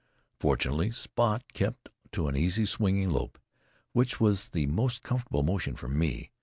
Fortunately, Spot kept to an easy swinging lope, which was the most comfortable motion for me.